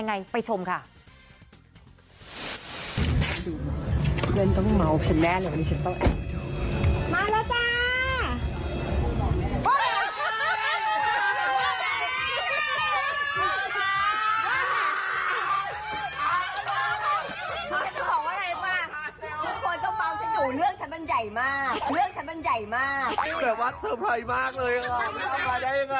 มีเล็กเอาเบาะมานอนกันที่อ้ามนั่ง